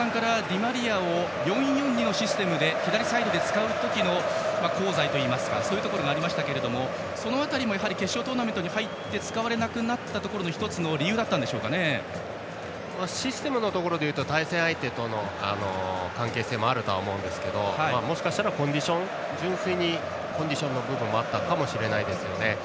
先ほど森岡さんからディマリアを４−４−２のシステムで左サイドで使う時の功罪といいますかそういうところがありましたがその辺りも決勝トーナメントに入って使われなくなったシステムのところでいうと対戦相手との関係性もあると思いますけどもしかしたら純粋にコンディションの部分もあったのかもしれないですよね。